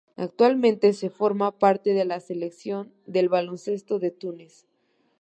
Actualmente forma parte de la Selección de baloncesto de Túnez.